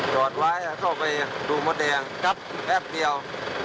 จอดไว้ต้องไปดูมดแดงกับแป๊บเดียว